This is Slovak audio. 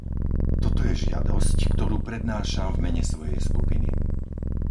Toto je žiadosť, ktorú prednášam v mene svojej skupiny.